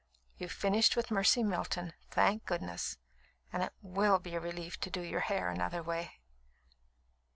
You've finished with Mercy Milton, thank goodness! and it will be a relief to do your hair another way."